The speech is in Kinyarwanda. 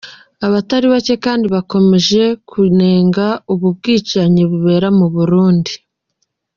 Abatari bacye kandi bakomeje kunenga ubu bwicanyi bubera mu Burundi.